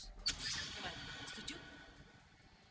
bagaimana pak haji setuju